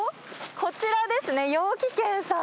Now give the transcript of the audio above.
こちらですね、陽気軒さん。